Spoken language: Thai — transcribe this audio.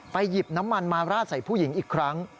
หยิบน้ำมันมาราดใส่ผู้หญิงอีกครั้ง